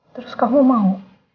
terus kamu mau